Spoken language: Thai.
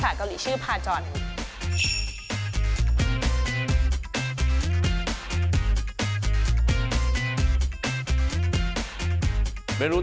เอาล่ะเดินทางมาถึงในช่วงไฮไลท์ของตลอดกินในวันนี้แล้วนะครับ